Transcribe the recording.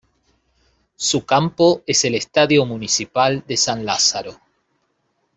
Su campo es el Estadio Municipal de San Lázaro.